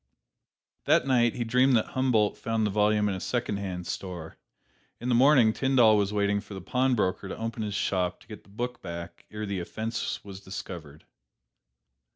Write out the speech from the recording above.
That night, he dreamed that Humboldt found the volume in a secondhand store. In the morning, Tyndall was waiting for the pawnbroker to open his shop to get the book back ere the offense was discovered.